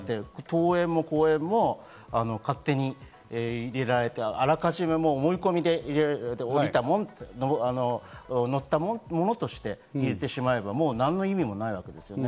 登園も降園も勝手に入れられて、あらかじめ思い込みで降りたもんと、乗ったものとして入れてしまえば何の意味もないですから。